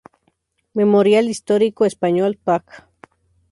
Memorial histórico español, pag.